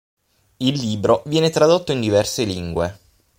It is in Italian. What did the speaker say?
Il libro viene tradotto in diverse lingue.